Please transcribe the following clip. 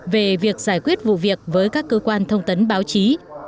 về việc giải quyết vụ việc với các cơ quan thông tấn báo chí